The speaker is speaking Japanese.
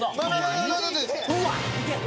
うわっ！